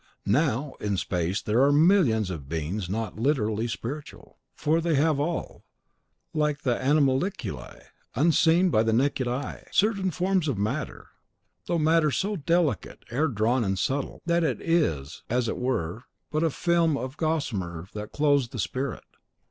Now, in space there are millions of beings not literally spiritual, for they have all, like the animalculae unseen by the naked eye, certain forms of matter, though matter so delicate, air drawn, and subtle, that it is, as it were, but a film, a gossamer that clothes the spirit.